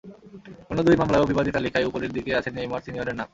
অন্য দুই মামলায়ও বিবাদী তালিকায় ওপরের দিকেই আছে নেইমার সিনিয়রের নাম।